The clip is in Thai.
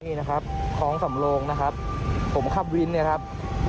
นี่นะครับท้องสำโลงนะครับผมขับวินเนี่ยครับ